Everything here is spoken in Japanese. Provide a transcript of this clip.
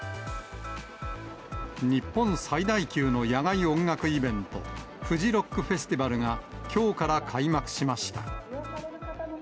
日本最大級の野外音楽イベント、フジロックフェスティバルが、きょうから開幕しました。